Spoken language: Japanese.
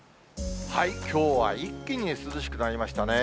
きょうは一気に涼しくなりましたね。